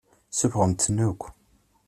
Suffɣemt-ten akk.